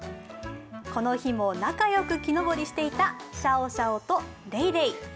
この日も仲良く木登りしていたシャオシャオとレイレイ。